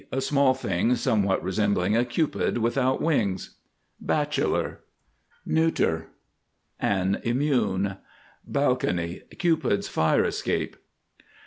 A small thing somewhat resembling a cupid without wings. BACHELOR, n. An immune. BALCONY. Cupid's fire escape.